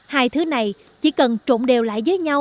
hai thứ này chỉ cần trộn đều lại với nhau